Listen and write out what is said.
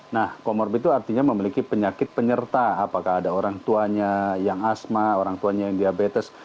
nah comorbid itu artinya memiliki penyakit penyerta apakah ada orang tuanya yang asma orang tuanya yang diabetes